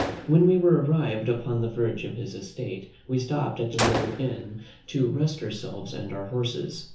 When we were arrived upon the verge of his estate, we stopped at a little inn to rest ourselves and our horses.